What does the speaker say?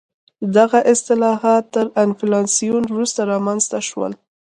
دغه اصلاحات تر انفلاسیون وروسته رامنځته شول.